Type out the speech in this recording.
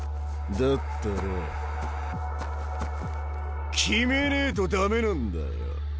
だったら決めねえと駄目なんだよ。